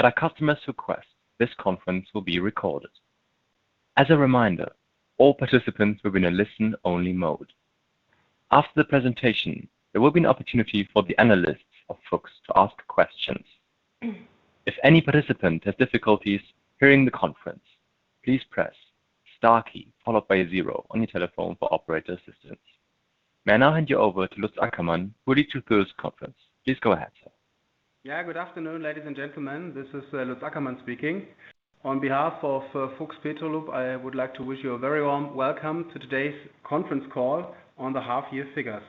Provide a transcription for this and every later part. At our customer's request, this conference will be recorded. As a reminder, all participants will be in a listen-only mode. After the presentation, there will be an opportunity for the analysts of Fuchs to ask questions. If any participant has difficulties hearing the conference, please press star followed by a zero on your telephone for operator assistance. May I now hand you over to Lutz Ackermann, who will lead today's conference. Please go ahead, sir. Yeah. Good afternoon, ladies and gentlemen. This is Lutz Ackermann speaking. On behalf of Fuchs Petrolub, I would like to wish you a very warm welcome to today's conference call on the half year figures.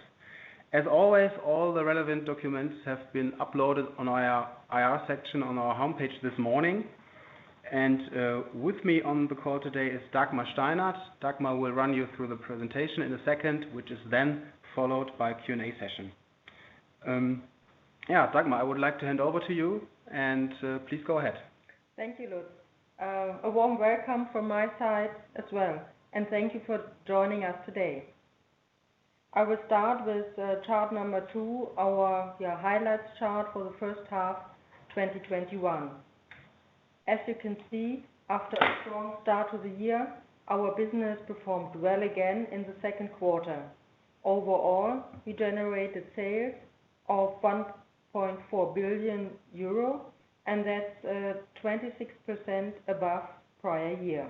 As always, all the relevant documents have been uploaded on our IR section on our homepage this morning. With me on the call today is Dagmar Steinert. Dagmar will run you through the presentation in a second, which is then followed by a Q&A session. Yeah, Dagmar, I would like to hand over to you, and please go ahead. Thank you, Lutz. A warm welcome from my side as well. Thank you for joining us today. I will start with chart number two, our highlights chart for the first half 2021. As you can see, after a strong start to the year, our business performed well again in the second quarter. Overall, we generated sales of 1.4 billion euro. That's 26% above prior year.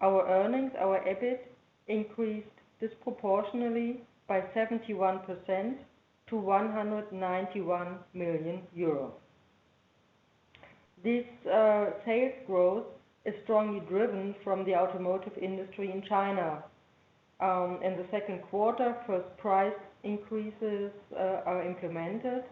Our earnings, our EBIT, increased disproportionally by 71% to 191 million euros. This sales growth is strongly driven from the automotive industry in China. In the second quarter, first price increases are implemented.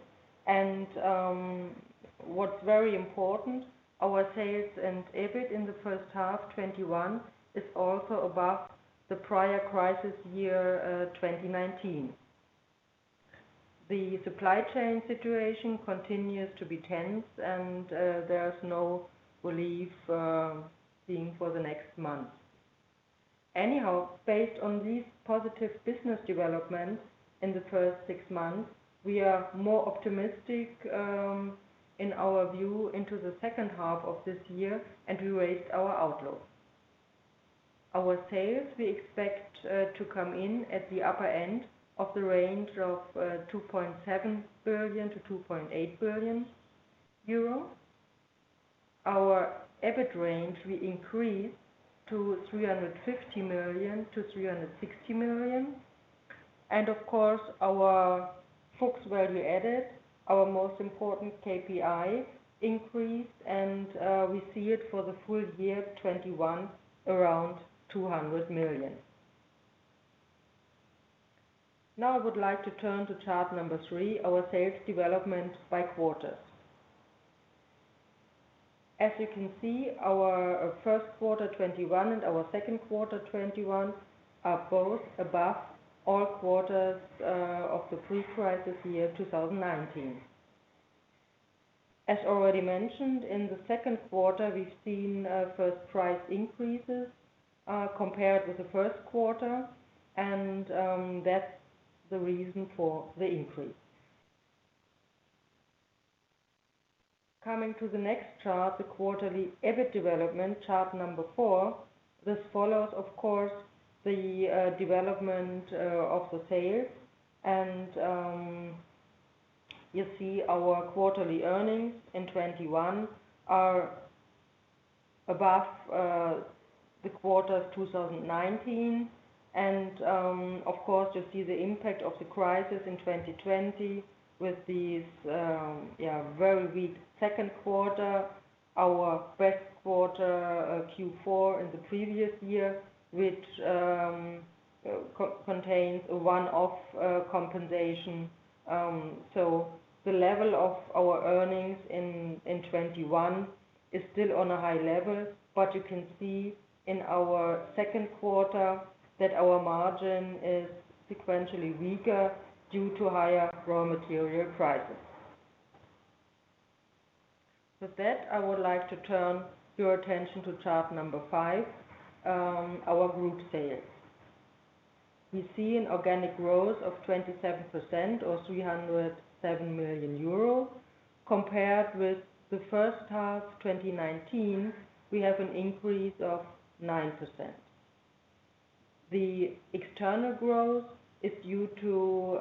What's very important, our sales and EBIT in the first half 2021 is also above the prior crisis year, 2019. The supply chain situation continues to be tense. There's no relief in for the next month. Based on these positive business developments in the first 6 months, we are more optimistic in our view into the second half of this year. We raised our outlook. Our sales we expect to come in at the upper end of the range of 2.7 billion-2.8 billion euro. Our EBIT range will increase to 350 million-360 million. Of course, our Fuchs Value Added, our most important KPI, increased. We see it for the full year 2021 around EUR 200 million. Now I would like to turn to chart number three, our sales development by quarters. As you can see, our first quarter 2021 and our second quarter 2021 are both above all quarters of the pre-crisis year 2019. As already mentioned, in the second quarter, we've seen first price increases compared with the first quarter. That's the reason for the increase. Coming to the next chart, the quarterly EBIT development, chart number four. This follows, of course, the development of the sales. You see our quarterly earnings in 2021 are above the quarter 2019 and, of course, you see the impact of the crisis in 2020 with these very weak second quarter, our best quarter, Q4 in the previous year, which contains a one-off compensation. The level of our earnings in 2021 is still on a high level. You can see in our second quarter that our margin is sequentially weaker due to higher raw material prices. With that, I would like to turn your attention to chart number five, our group sales. We see an organic growth of 27% or 307 million euro. Compared with the first half 2019, we have an increase of 9%. The external growth is due to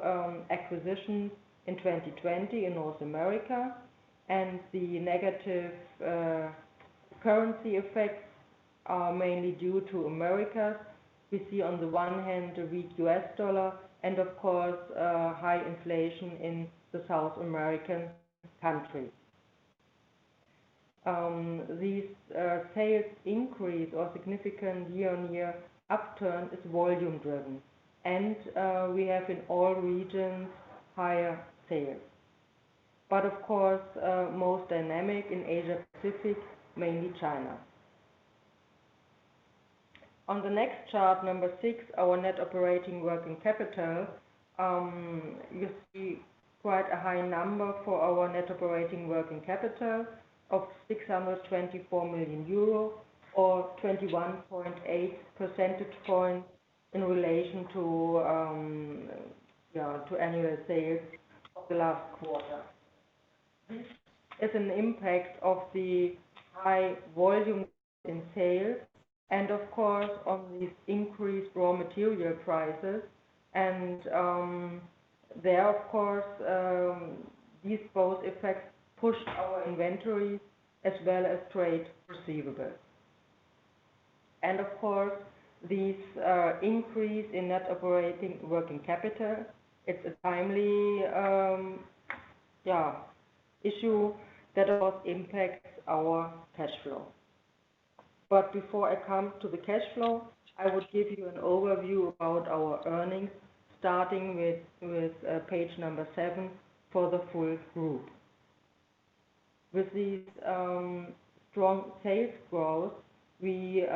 acquisitions in 2020 in North America, and the negative currency effects are mainly due to Americas. We see on the one hand a weak U.S. dollar and, of course, high inflation in the South American countries. These sales increase or significant year-on-year upturn is volume driven and we have in all regions higher sales, of course, most dynamic in Asia Pacific, mainly China. On the next chart, number six, our net operating working capital. You see quite a high number for our net operating working capital of 624 million euro or 21.8 percentage points in relation to annual sales of the last quarter. This is an impact of the high volume in sales and, of course, on these increased raw material prices. There, of course, these both effects pushed our inventories as well as trade receivables. Of course, this increase in net operating working capital, it's a timely issue that also impacts our cash flow. Before I come to the cash flow, I will give you an overview about our earnings, starting with page number seven for the full group. With this strong sales growth, we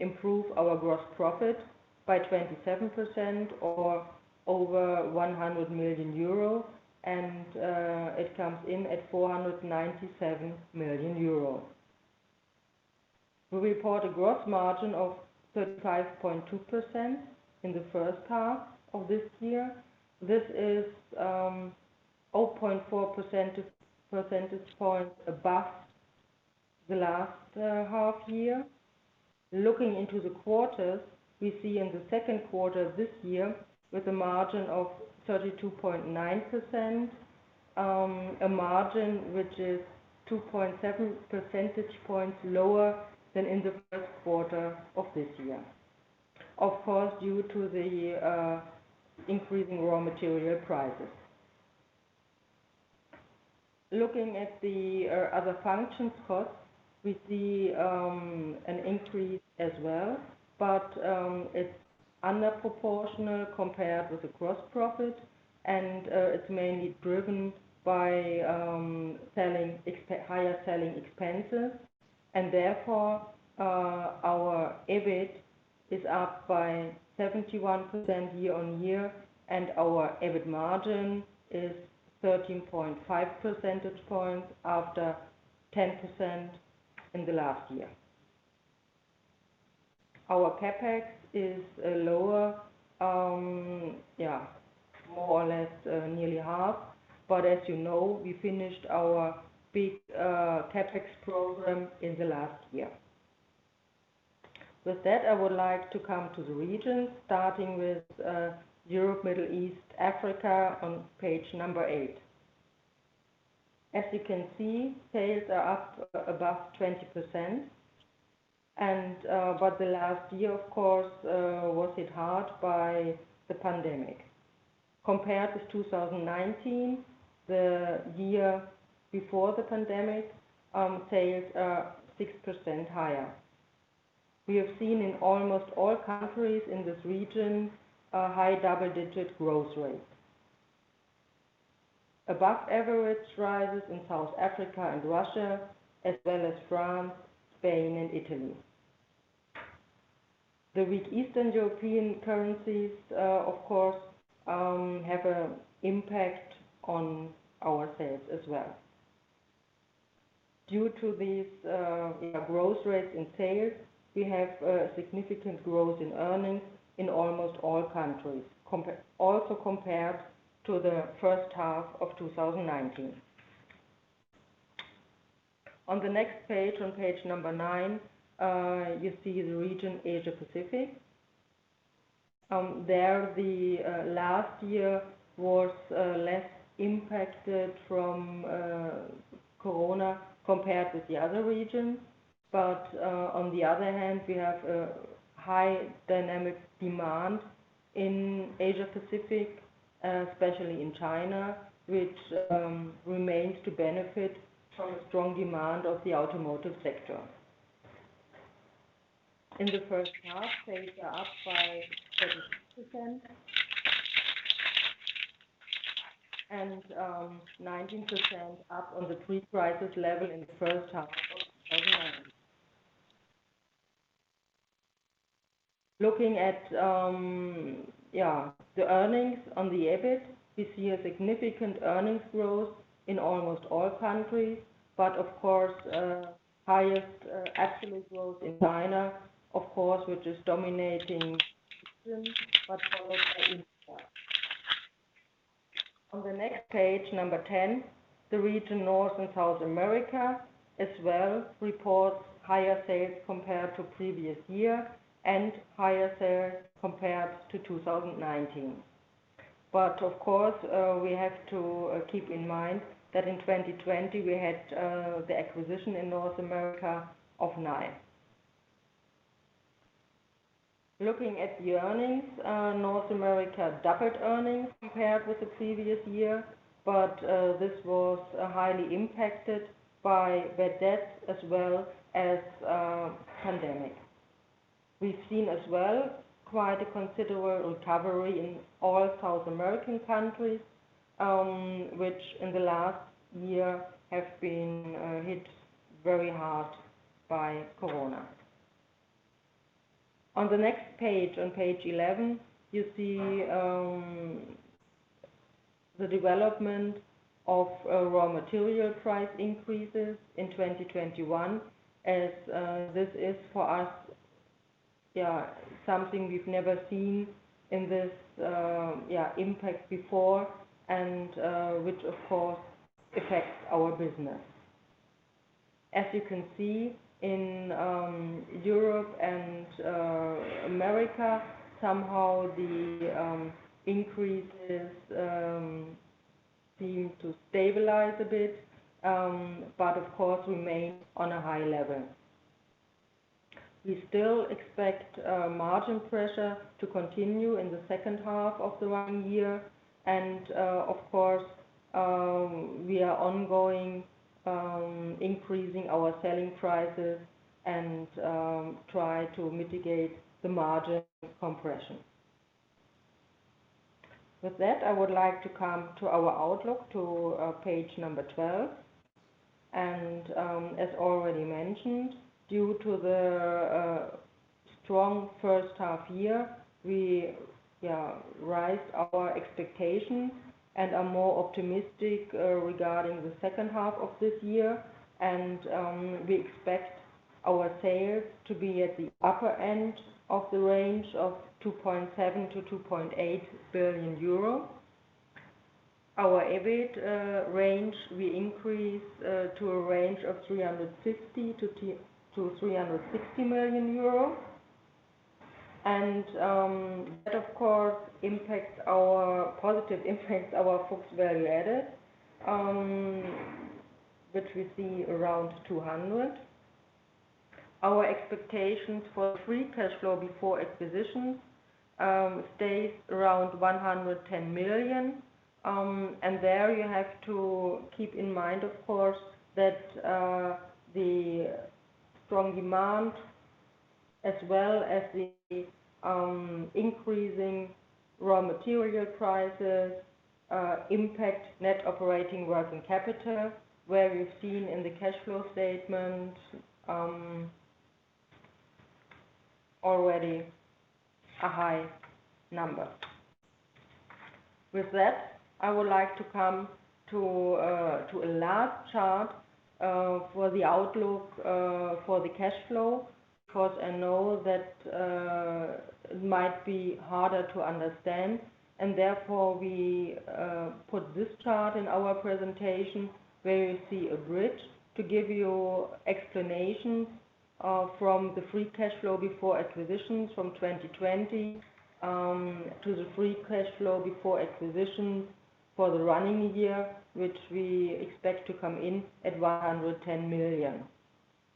improve our gross profit by 27% or over 100 million euro, and it comes in at 497 million euro. We report a gross margin of 35.2% in the first half of this year. This is 0.4 percentage points above the last half year. Looking into the quarters, we see in the second quarter this year, with a margin of 32.9%, a margin which is 2.7 percentage points lower than in the first quarter of this year, of course, due to the increasing raw material prices. Looking at the other functions costs, we see an increase as well, it's under proportional compared with the gross profit, it's mainly driven by higher selling expenses. Therefore, our EBIT is up by 71% year-over-year, our EBIT margin is 13.5 percentage points after 10% in the last year. Our CapEx is lower, more or less nearly half. As you know, we finished our big CapEx program in the last year. With that, I would like to come to the regions, starting with Europe, Middle East, Africa on page number eight. As you can see, sales are up above 20%. The last year, of course, was hit hard by the pandemic. Compared with 2019, the year before the pandemic, sales are 6% higher. We have seen in almost all countries in this region a high double-digit growth rate. Above average rises in South Africa and Russia, as well as France, Spain, and Italy. The weak Eastern European currencies, of course, have an impact on our sales as well. Due to these growth rates in sales, we have a significant growth in earnings in almost all countries, also compared to the first half of 2019. On the next page, on page number nine, you see the region Asia Pacific. There, the last year was less impacted from Corona compared with the other regions. On the other hand, we have a high dynamic demand in Asia Pacific, especially in China, which remains to benefit from a strong demand of the automotive sector. In the first half, sales are up by 30% and 19% up on the pre-crisis level in the first half of 2019. Looking at the earnings on the EBIT, we see a significant earnings growth in almost all countries, but of course, highest absolute growth in China, of course, which is dominating, but followed by India. On the next page number 10, the region North and South America as well reports higher sales compared to previous year and higher sales compared to 2019. Of course, we have to keep in mind that in 2020, we had the acquisition in North America of Nye. Looking at the earnings, North America doubled earnings compared with the previous year, but this was highly impacted by bad debts as well as pandemic. We've seen as well quite a considerable recovery in all South American countries, which in the last year have been hit very hard by Corona. On the next page, on page 11, you see the development of raw material price increases in 2021, as this is for us something we've never seen in this impact before and which, of course, affects our business. As you can see in Europe and America, somehow the increases seem to stabilize a bit, but of course remain on a high level. We still expect margin pressure to continue in the second half of the running year, and of course, we are ongoing increasing our selling prices and try to mitigate the margin compression. With that, I would like to come to our outlook to page number 12, and as already mentioned, due to the strong first half year, we raised our expectations and are more optimistic regarding the second half of this year. We expect our sales to be at the upper end of the range of 2.7 billion-2.8 billion euro. Our EBIT range, we increase to a range of 350 million-360 million euro. That, of course, positive impacts our Fuchs Value Added, which we see around 200 million. Our expectations for free cash flow before acquisitions stays around 110 million. There you have to keep in mind, of course, that the strong demand as well as the increasing raw material prices impact net operating working capital, where we've seen in the cash flow statement already a high number. With that, I would like to come to a last chart for the outlook for the cash flow, because I know that it might be harder to understand and therefore we put this chart in our presentation where you see a bridge to give you explanation from the free cash flow before acquisitions from 2020 to the free cash flow before acquisitions for the running year, which we expect to come in at 110 million.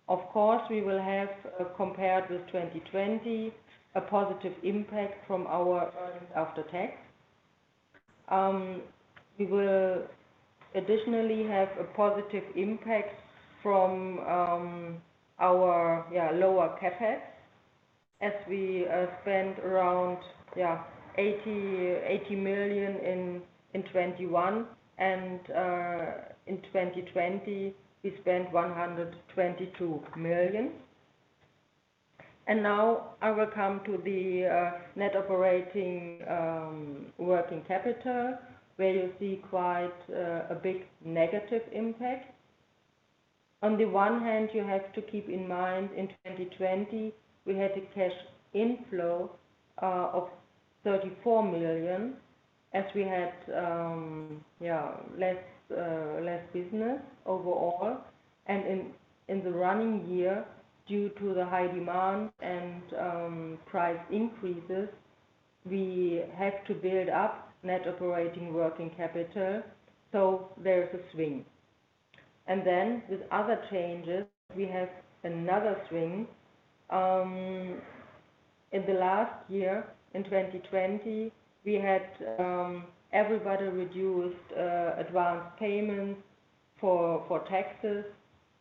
Of course, we will have, compared with 2020, a positive impact from our earnings after tax. We will additionally have a positive impact from our lower CapEx as we spend around 80 million in 2021 and in 2020, we spent 122 million. Now I will come to the net operating working capital, where you see quite a big negative impact. On the one hand, you have to keep in mind, in 2020, we had a cash inflow of 34 million as we had less business overall. In the running year, due to the high demand and price increases, we have to build up net operating working capital, so there is a swing. Then with other changes, we have another swing. In the last year, in 2020, everybody reduced advanced payments for taxes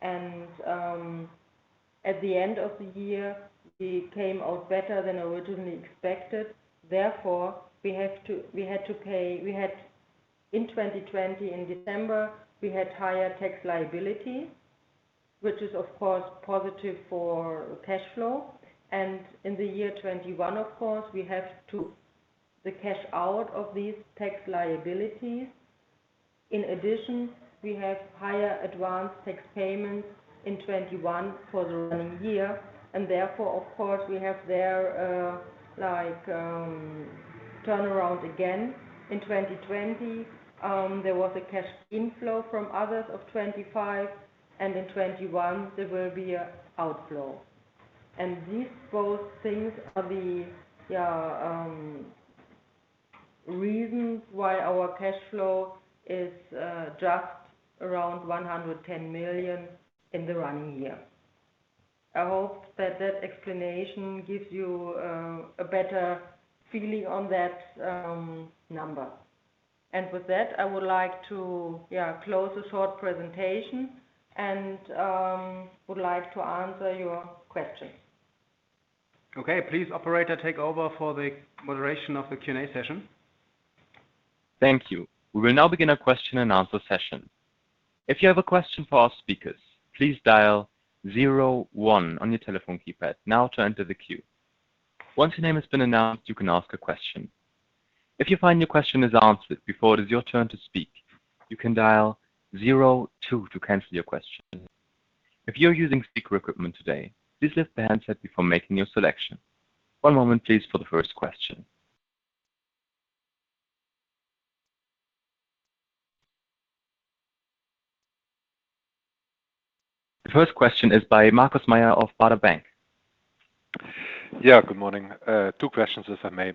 and at the end of the year, we came out better than originally expected. Therefore, in 2020, in December, we had higher tax liability, which is, of course, positive for cash flow. In the year 2021, of course, we have to the cash out of these tax liabilities. In addition, we have higher advanced tax payments in 2021 for the running year, therefore, of course, we have there a turnaround again. In 2020, there was a cash inflow from others of 25, in 2021 there will be a outflow. These both things are the reasons why our cash flow is just around 110 million in the running year. I hope that that explanation gives you a better feeling on that number. With that, I would like to close the short presentation and would like to answer your questions. Okay. Please, operator, take over for the moderation of the Q&A session. Thank you. We will now begin our question and answer session. One moment please, for the first question. The first question is by Markus Mayer of Baader Bank. Yeah, good morning. Two questions, if I may.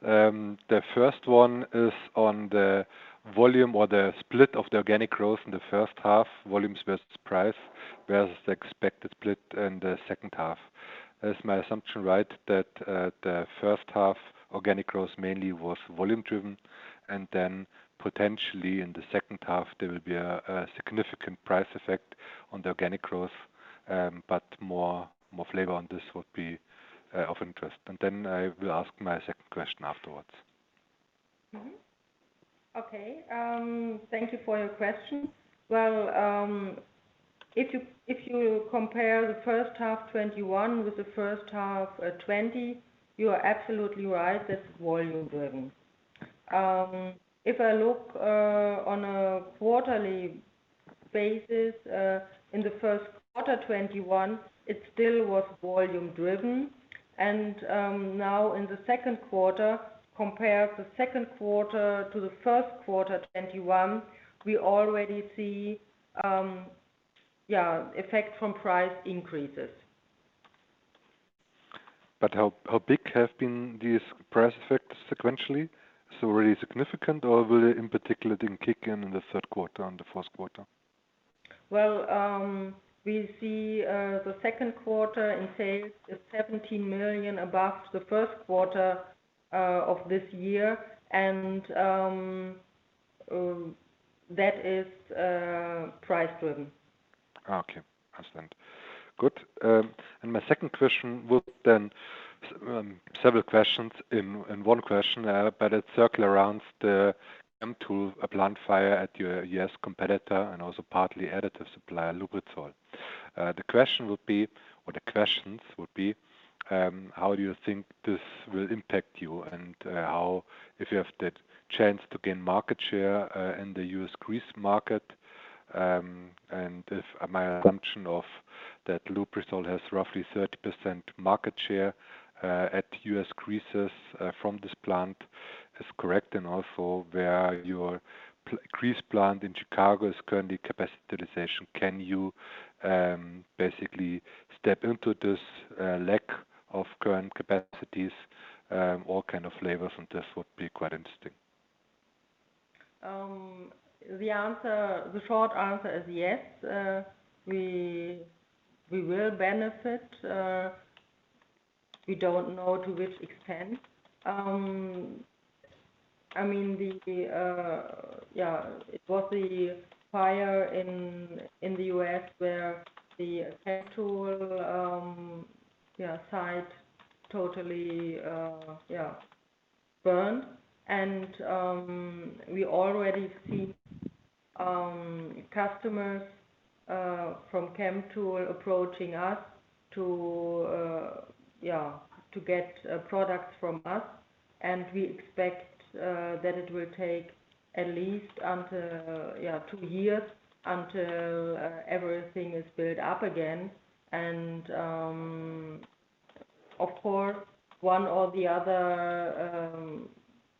The first one is on the volume or the split of the organic growth in the first half, volumes versus price, versus the expected split in the second half. Is my assumption right that the first half organic growth mainly was volume driven, then potentially in the second half, there will be a significant price effect on the organic growth, but more flavor on this would be of interest. Then I will ask my second question afterwards. Okay. Thank you for your question. Well, if you compare the first half 2021 with the first half 2020, you are absolutely right, that's volume driven. If I look on a quarterly basis, in the first quarter 2021, it still was volume driven. Now in the second quarter, compare the second quarter to the first quarter 2021, we already see effects from price increases. How big have been these price effects sequentially? Really significant, or will it, in particular, then kick in in the third quarter and the fourth quarter? We see the second quarter in sales is 17 million above the first quarter of this year, and that is price driven. Okay. Understand. Good. My second question would then, several questions in one question, but it circle around the Chemtool plant fire at your U.S. competitor, and also partly additive supplier, Lubrizol. The question would be, or the questions would be, how do you think this will impact you? How, if you have the chance to gain market share in the U.S. grease market, if my assumption of that Lubrizol has roughly 30% market share at U.S. greases from this plant is correct, and also where your grease plant in Chicago is currently capacity utilization, can you basically step into this lack of current capacities? All kind of flavors from this would be quite interesting. The short answer is yes. We will benefit. We don't know to which extent. It was the fire in the U.S. where the Chemtool site totally burned. We already see customers from Chemtool approaching us to get products from us. We expect that it will take at least two years until everything is built up again. Of course, one or the other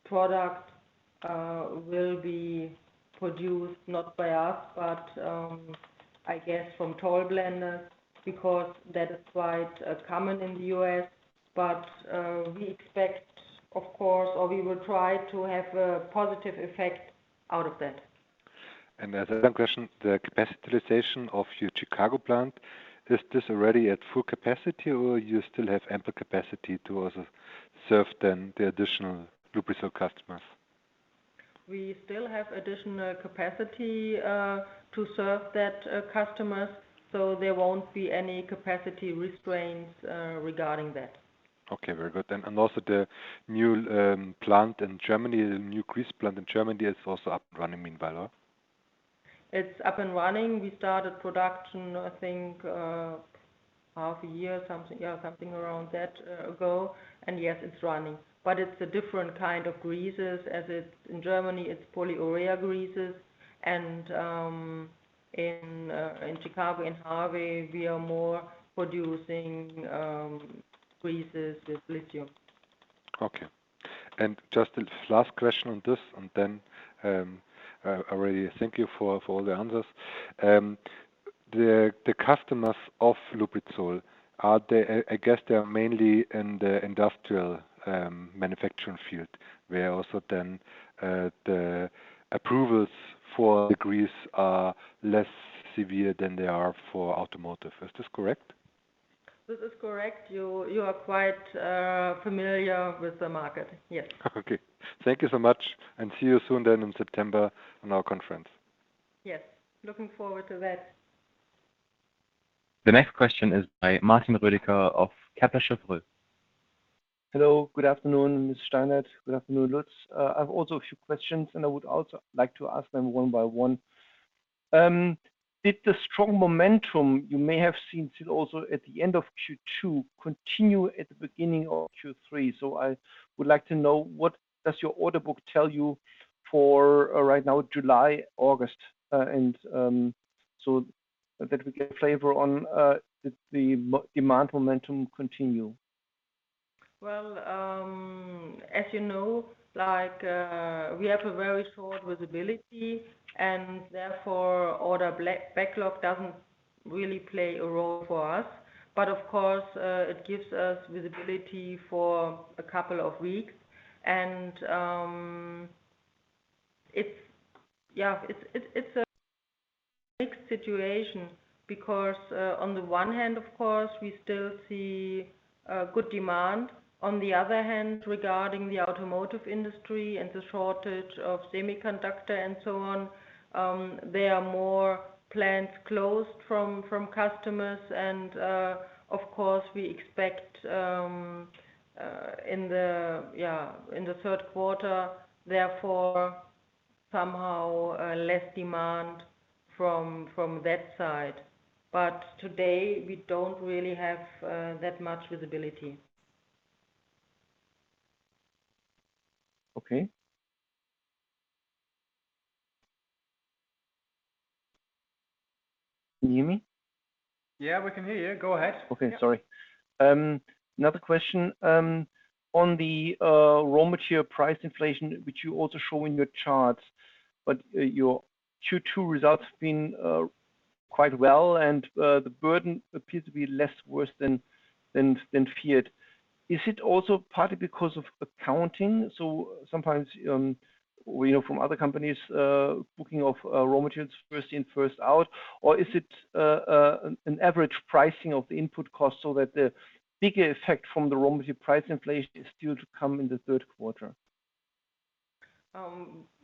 product will be produced, not by us, but I guess from toll blender, because that is quite common in the U.S. We expect, of course, or we will try to have a positive effect out of that. As another question, the capitalization of your Chicago plant, is this already at full capacity, or you still have ample capacity to also serve then the additional Lubrizol customers? We still have additional capacity to serve that customer, so there won't be any capacity restraints regarding that. Okay. Very good then. Also the new grease plant in Germany is also up and running meanwhile? It's up and running. We started production, I think, half a year, something around that ago. Yes, it's running. It's a different kind of greases, as it's in Germany, it's polyurea greases. In Chicago, in Harvey, we are more producing greases with lithium. Okay. Just the last question on this, I already thank you for all the answers. The customers of Lubrizol, I guess they are mainly in the industrial manufacturing field, where also then the approvals for the grease are less severe than they are for automotive. Is this correct? This is correct. You are quite familiar with the market. Yes. Okay. Thank you so much. See you soon then in September on our conference. Yes. Looking forward to that. The next question is by Martin Roediger of Kepler Cheuvreux. Hello. Good afternoon, Ms. Steinert. Good afternoon, Lutz. I have also a few questions. I would also like to ask them one by one. Did the strong momentum you may have seen still also at the end of Q2 continue at the beginning of Q3? I would like to know what does your order book tell you for right now, July, August? That we get a flavor on did the demand momentum continue? Well, as you know, we have a very short visibility, and therefore, order backlog doesn't really play a role for us. Of course, it gives us visibility for a couple of weeks. It's a mixed situation because, on the one hand, of course, we still see good demand. On the other hand, regarding the automotive industry and the shortage of semiconductor and so on, there are more plants closed from customers and, of course, we expect, in the third quarter, therefore, somehow, less demand from that side. Today we don't really have that much visibility. Okay. Can you hear me? Yeah, we can hear you. Go ahead. Okay. Sorry. Another question. On the raw material price inflation, which you also show in your charts, but your Q2 results have been quite well, and the burden appears to be less worse than feared. Is it also partly because of accounting? Sometimes, we know from other companies, booking of raw materials First-In, First-Out, or is it an average pricing of the input cost so that the bigger effect from the raw material price inflation is still to come in the third quarter?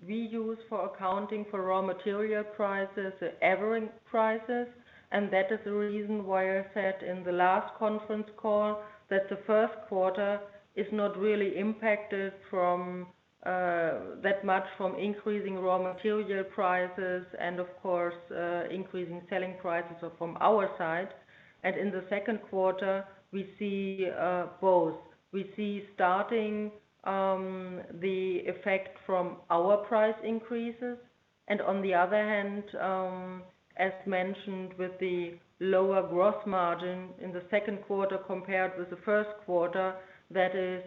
We use for accounting for raw material prices, the average prices. That is the reason why I said in the last conference call that the first quarter is not really impacted that much from increasing raw material prices and, of course, increasing selling prices from our side. In the second quarter, we see both. We see starting the effect from our price increases, and on the other hand, as mentioned, with the lower gross margin in the second quarter compared with the first quarter, that is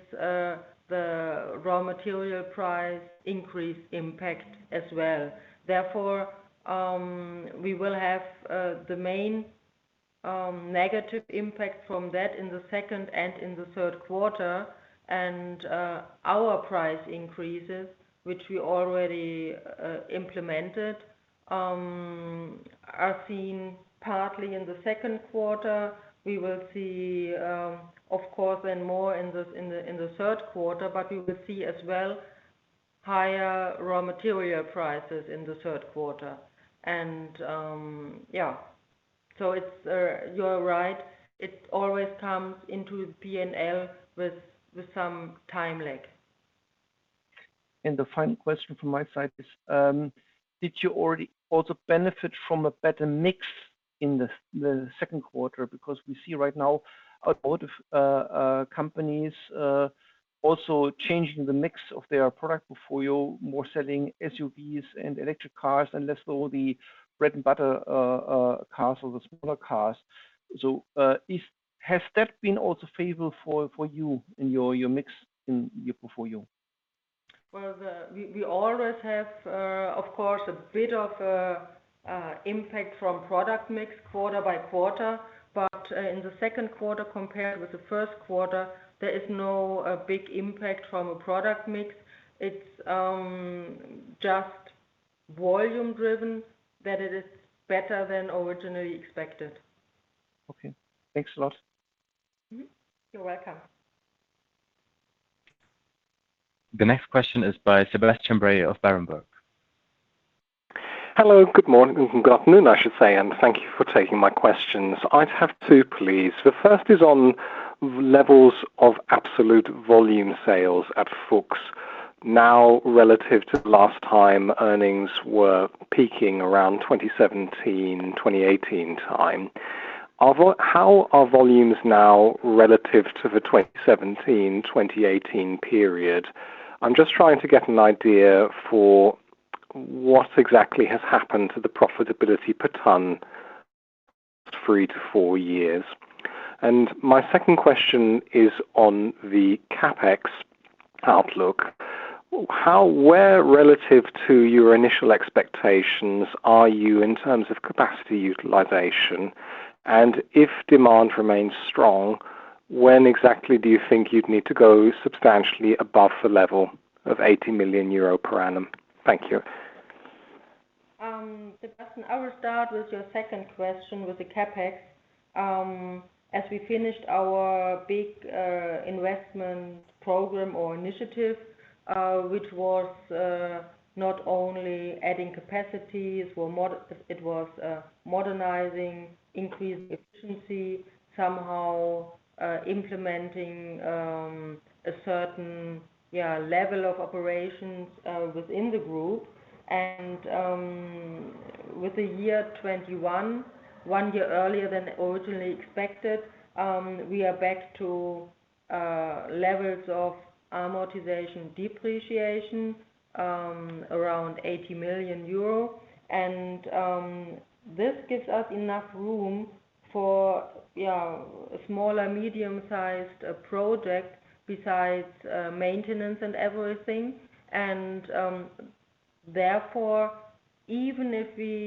the raw material price increase impact as well. Therefore, we will have the main negative impact from that in the second and in the third quarter. Our price increases, which we already implemented, are seen partly in the second quarter. We will see, of course, then more in the third quarter, but we will see as well higher raw material prices in the third quarter. Yeah. You are right. It always comes into the P&L with some time lag. The final question from my side is, did you already also benefit from a better mix in the second quarter? We see right now automotive companies also changing the mix of their product portfolio, more selling SUVs and electric cars, and less all the bread-and-butter cars or the smaller cars. Has that been also favorable for you in your mix in your portfolio? Well, we always have, of course, a bit of impact from product mix quarter by quarter. In the second quarter compared with the first quarter, there is no big impact from a product mix. It's just volume driven that it is better than originally expected. Okay. Thanks a lot. Mm-hmm. You're welcome. The next question is by Sebastian Bray of Berenberg. Hello. Good morning. Good afternoon, I should say, and thank you for taking my questions. I'd have two, please. The first is on levels of absolute volume sales at Fuchs now relative to the last time earnings were peaking around 2017, 2018 time. How are volumes now relative to the 2017, 2018 period? I'm just trying to get an idea for what exactly has happened to the profitability per ton 3 to 4 years. My second question is on the CapEx outlook. Where relative to your initial expectations are you in terms of capacity utilization? If demand remains strong, when exactly do you think you'd need to go substantially above the level of 80 million euro per annum? Thank you. Sebastian, I will start with your second question with the CapEx. As we finished our big investment program or initiative, which was not only adding capacities, it was modernizing, increased efficiency, somehow, implementing a certain level of operations within the group. With the year 2021, one year earlier than originally expected, we are back to levels of amortization depreciation around 80 million euro. This gives us enough room for smaller medium-sized projects besides maintenance and everything. Therefore, even if we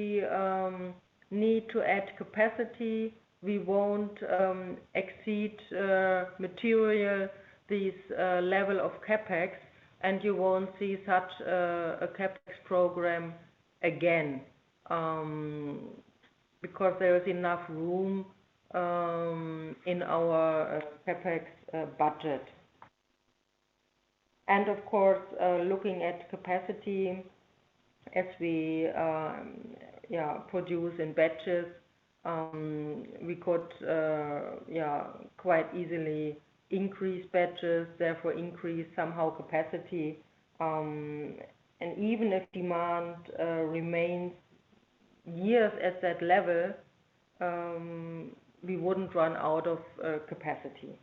need to add capacity, we won't exceed material, this level of CapEx, and you won't see such a CapEx program again, because there is enough room in our CapEx budget. Of course, looking at capacity as we produce in batches, we could quite easily increase batches, therefore increase somehow capacity. Even if demand remains years at that level, we wouldn't run out of capacity.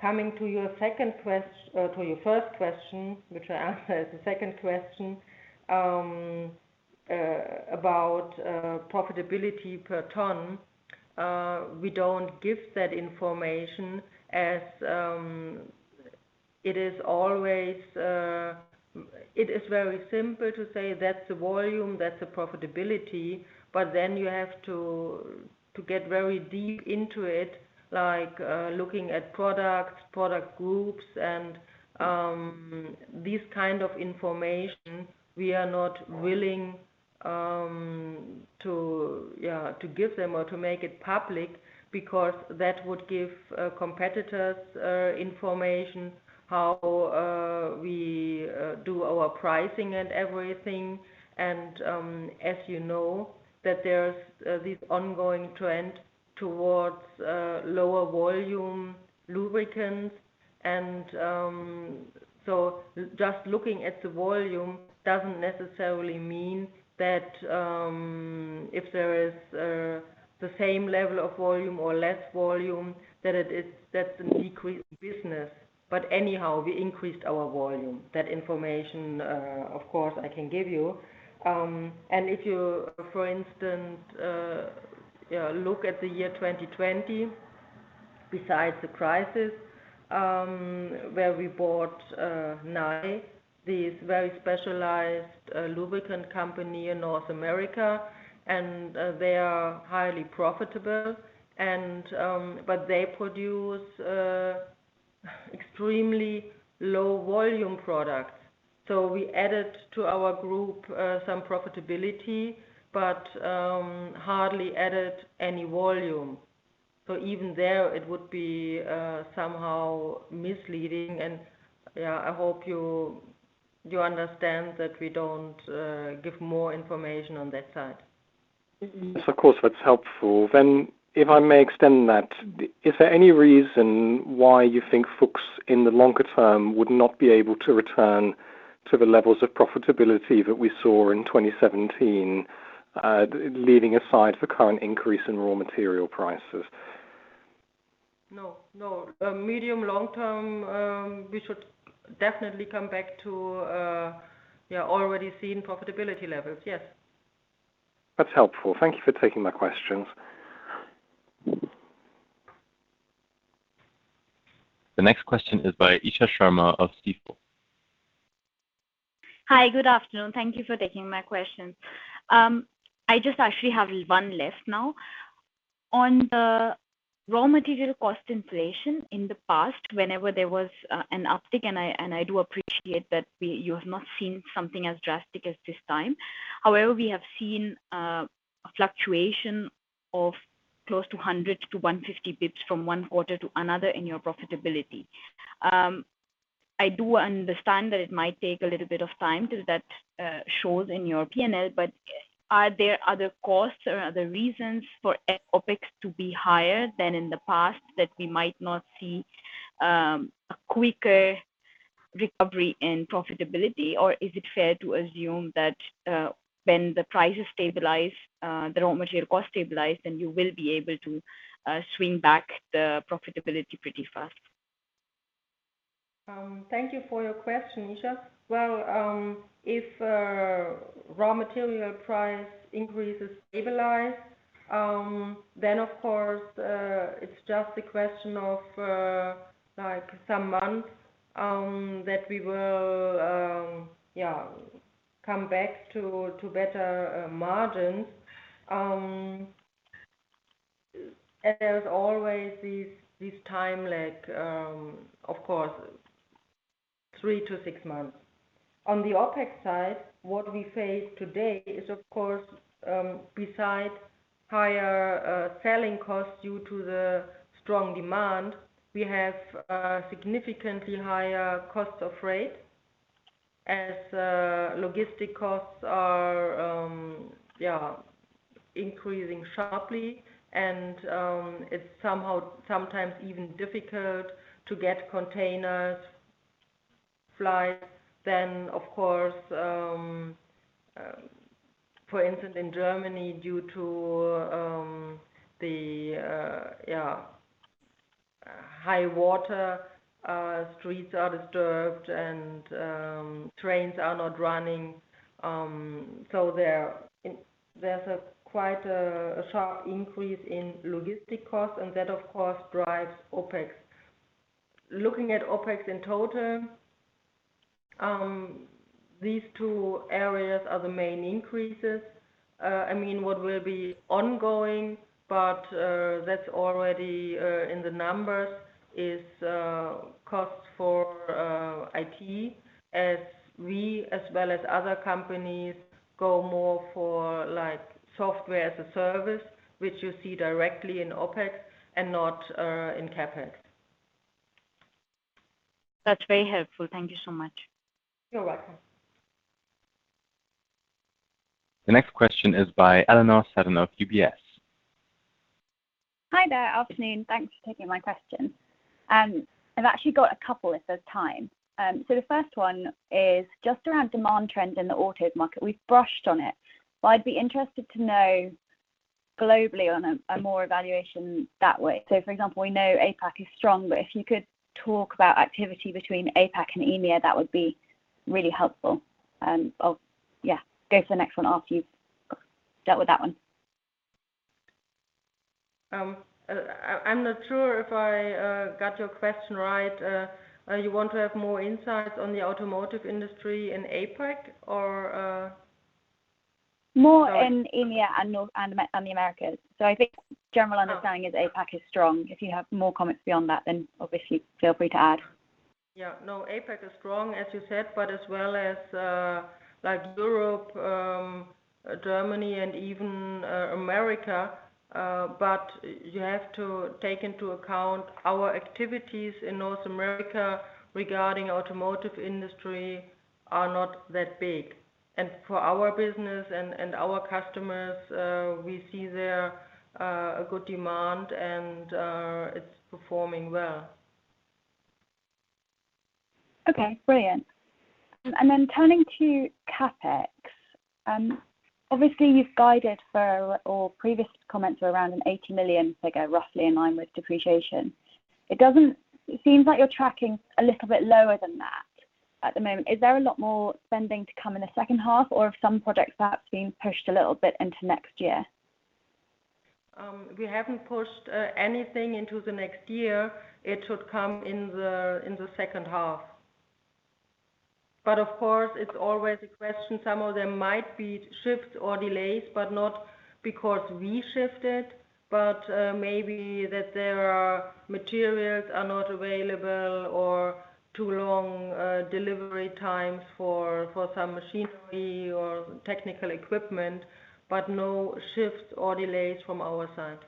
Coming to your first question, which I answered as the second question, about profitability per ton. We don't give that information as it is very simple to say that's the volume, that's the profitability, but then you have to get very deep into it, like looking at products, product groups and this kind of information, we are not willing to give them or to make it public because that would give competitors information how we do our pricing and everything. As you know, that there's this ongoing trend towards lower volume lubricants. Just looking at the volume doesn't necessarily mean that if there is the same level of volume or less volume, that's a decrease in business. Anyhow, we increased our volume. That information, of course, I can give you. If you, for instance, look at the year 2020, besides the crisis, where we bought Nye, this very specialized lubricant company in North America, and they are highly profitable. They produce extremely low volume products. We added to our group some profitability, but hardly added any volume. Even there, it would be somehow misleading. Yeah, I hope you understand that we don't give more information on that side. Yes, of course, that's helpful. If I may extend that, is there any reason why you think Fuchs in the longer term would not be able to return to the levels of profitability that we saw in 2017, leaving aside the current increase in raw material prices? No. Medium, long term, we should definitely come back to already seen profitability levels, yes. That's helpful. Thank you for taking my questions. The next question is by Isha Sharma of Stifel. Hi, good afternoon. Thank you for taking my question. I just actually have one left now. On the raw material cost inflation in the past, whenever there was an uptick, and I do appreciate that you have not seen something as drastic as this time. However, we have seen a fluctuation of close to 100-150 basis points from one quarter to another in your profitability. I do understand that it might take a little bit of time till that shows in your P&L but are there other costs or other reasons for OpEx to be higher than in the past that we might not see a quicker recovery in profitability? Is it fair to assume that when the prices stabilize, the raw material costs stabilize, then you will be able to swing back the profitability pretty fast? Thank you for your question, Isha. Well, if raw material price increases stabilize, then of course, it's just a question of some months that we will come back to better margins. There's always this time lag, of course, 3 to 6 months. On the OpEx side, what we face today is, of course, besides higher selling costs due to the strong demand, we have significantly higher costs of freight as logistic costs are increasing sharply, and it's sometimes even difficult to get containers. Flights, then, of course, for instance, in Germany, due to the high water, streets are disturbed and trains are not running. There's a quite sharp increase in logistic costs, and that, of course, drives OpEx. Looking at OpEx in total, these two areas are the main increases. What will be ongoing, but that's already in the numbers, is costs for IT, as we, as well as other companies, go more for software as a service, which you see directly in OpEx and not in CapEx. That's very helpful. Thank you so much. You're welcome. The next question is by Eleanor Seddon of UBS. Hi there. Afternoon. Thanks for taking my question. I've actually got a couple if there's time. The first one is just around demand trends in the autos market. We've brushed on it, but I'd be interested to know globally on a more evaluation that way. For example, we know APAC is strong, but if you could talk about activity between APAC and EMEA, that would be really helpful. I'll, yeah, go to the next one after you've dealt with that one. I'm not sure if I got your question right? You want to have more insights on the automotive industry in APAC or? More in EMEA and the Americas. I think general understanding is APAC is strong. If you have more comments beyond that, then obviously feel free to add. Yeah, no, APAC is strong, as you said, but as well as Europe, Germany, and even America. You have to take into account our activities in North America regarding automotive industry are not that big. For our business and our customers, we see there a good demand and it's performing well. Okay, brilliant. Turning to CapEx, obviously you've guided for, or previous comments were around an 80 million figure, roughly in line with depreciation. It seems like you're tracking a little bit lower than that at the moment. Is there a lot more spending to come in the second half, or have some projects perhaps been pushed a little bit into next year? We haven't pushed anything into the next year. It should come in the second half. Of course, it's always a question. Some of them might be shifts or delays, but not because we shifted, but maybe that there are materials are not available or too long delivery times for some machinery or technical equipment, but no shifts or delays from our side.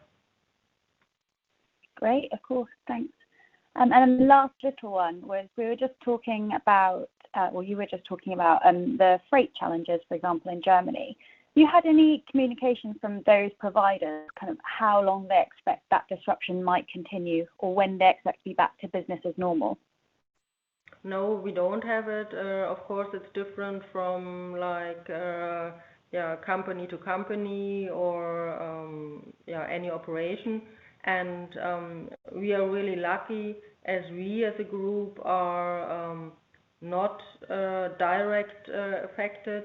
Great. Of course. Thanks. Last little one was we were just talking about, well, you were just talking about the freight challenges, for example, in Germany. Have you had any communication from those providers, kind of how long they expect that disruption might continue or when they expect to be back to business as normal? No, we don't have it. Of course, it's different from company to company or any operation. We are really lucky as we as a group are not direct affected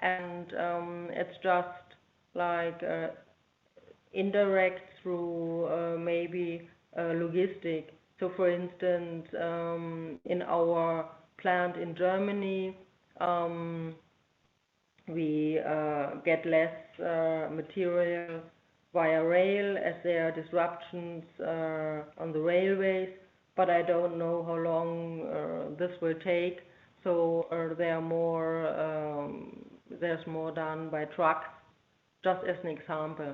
and it's just indirect through maybe logistic. For instance, in our plant in Germany, we get less material via rail as there are disruptions on the railways, but I don't know how long this will take, so there's more done by truck, just as an example.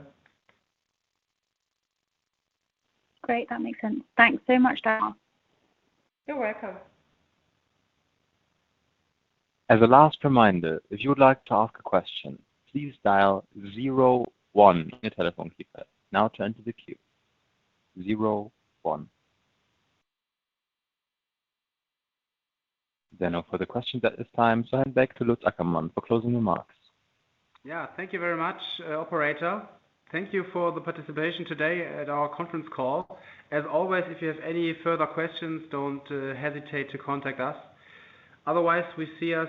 Great. That makes sense. Thanks so much, Dagmar. You're welcome. I hand back to Lutz Ackermann for closing remarks. Yeah. Thank you very much, operator. Thank you for the participation today at our conference call. As always, if you have any further questions, don't hesitate to contact us. We see us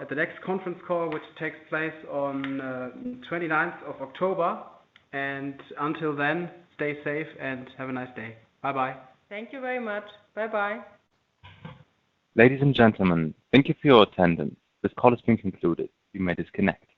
at the next conference call, which takes place on 29th of October. Until then, stay safe and have a nice day. Bye-bye. Thank you very much. Bye-bye. Ladies and gentlemen, thank you for your attendance. This call has been concluded. You may disconnect.